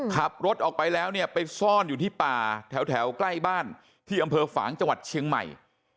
ขับรถออกไปแล้วเนี่ยไปซ่อนอยู่ที่ป่าแถวใกล้บ้านที่อำเภอฝางจังหวัดเชียงใหม่